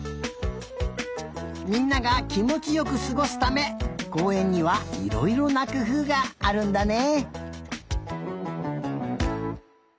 みんながきもちよくすごすためこうえんにはいろいろなくふうがあるんだね。